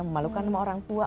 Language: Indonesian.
memalukan sama orang tua